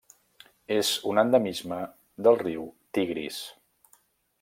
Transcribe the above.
És un endemisme del riu Tigris.